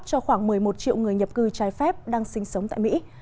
cho khoảng một mươi một triệu người nhập cư trái phép đang sinh sống tại mỹ